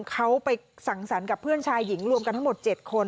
เขาไปสั่งสรรค์กับเพื่อนชายหญิงรวมกันทั้งหมด๗คน